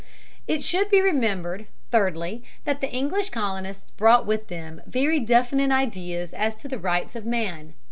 It should be remembered, thirdly, that the English colonists brought with them very definite ideas as to the rights of man.